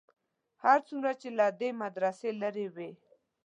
هر څومره چې له دې مدرسې لرې وې.